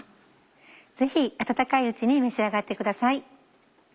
ぜひ温かいうちに召し上がってください。